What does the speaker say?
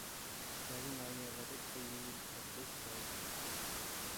بەزى ناھىيەلەردە تېخى يۇندى بىر تەرەپ قىلىش زاۋۇتى يوق.